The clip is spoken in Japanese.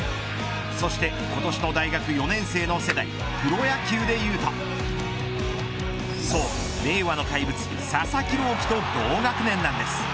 そして今年の大学４年生の世代プロ野球でいうとそう、令和の怪物佐々木朗希と同学年なんです。